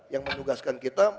yang menugaskan kita